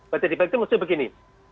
baca dibalik itu maksudnya begini